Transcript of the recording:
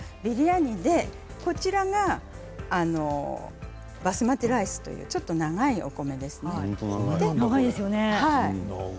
こちらがバスマティライスというちょっと長いお米です。